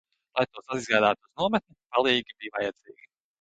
Lai tos aizgādātu uz nometni, palīgi bija vajadzīgi!